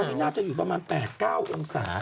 ตอนนี้น่าจะอยู่ประมาณ๘๙องศา